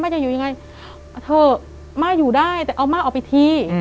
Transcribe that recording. จะอยู่ยังไงเอาเถอะม่าอยู่ได้แต่เอาม่าออกไปที